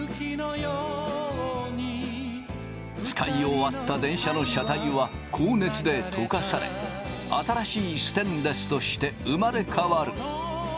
使い終わった電車の車体は高熱で溶かされ新しいステンレスとして生まれ変わる。